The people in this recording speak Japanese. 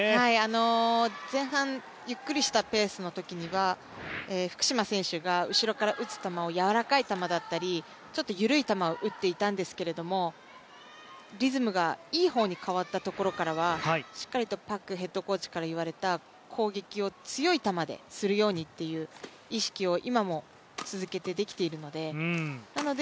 前半ゆっくりしたペースの時には福島選手が、後ろから打つ球をやわらかい球だったりちょっと緩い球を打っていたんですけれどもリズムがいい方に変わったところからは、しっかりとヘッドコーチから言われた攻撃を強くするという意識を今も続けてできているので。